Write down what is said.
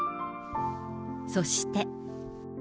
そして。